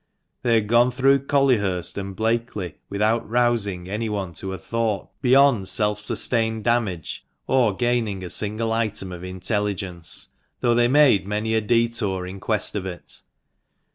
They had gone through Collyhurst and Blakely without rousing anyone to a thought beyond self sustained damage, or gaining a single item i6 THE MANCHESTER MAN. of intelligence, though they made many a detour in quest of it.